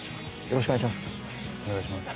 よろしくお願いします